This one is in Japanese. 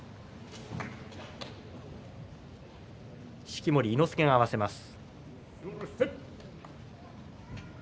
式守伊之助が合わせます。